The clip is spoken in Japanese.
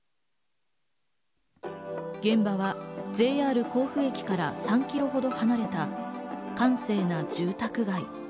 現場はＪＲ甲府駅から３ｋｍほど離れた閑静な住宅街。